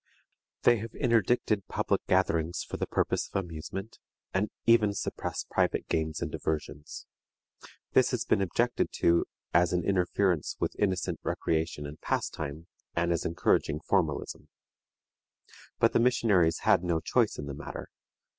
They have interdicted public gatherings for the purpose of amusement, and even suppressed private games and diversions. This has been objected to as an interference with innocent recreation and pastime, and as encouraging formalism. But the missionaries had no choice in the matter.